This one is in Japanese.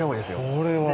これは。